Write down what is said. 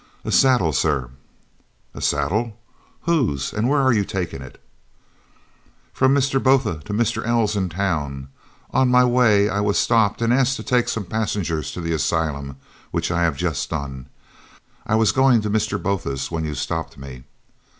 "A saddle, sir." "A saddle! Whose, and where are you taking it?" "From Mr. Botha to Mr. Els in town. On my way I was stopped and asked to take some passengers to the asylum, which I have just done. I was going to Mr. Botha when you stopped me."